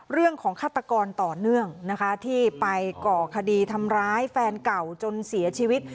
ฆาตกรต่อเนื่องนะคะที่ไปก่อคดีทำร้ายแฟนเก่าจนเสียชีวิต